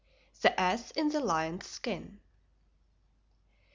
The Ass In The Lion's Skin.